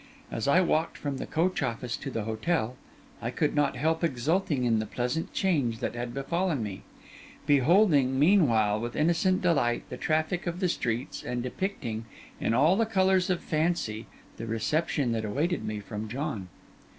As I walked from the coach office to the hotel, I could not help exulting in the pleasant change that had befallen me; beholding, meanwhile, with innocent delight, the traffic of the streets, and depicting, in all the colours of fancy, the reception that awaited me from John.